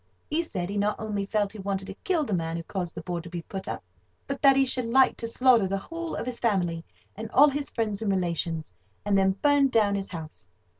He said he not only felt he wanted to kill the man who caused the board to be put up, but that he should like to slaughter the whole of his family and all his friends and relations, and then burn down his house.